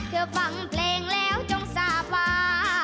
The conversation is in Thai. เพื่อฟังเพลงแล้วจงสาปวา